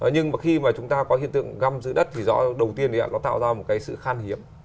nhưng mà khi mà chúng ta có hiện tượng găm dưới đất thì rõ đầu tiên nó tạo ra một sự khan hiếm